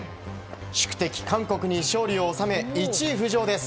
宿敵・韓国に勝利を収め１位浮上です。